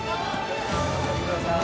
頑張ってください。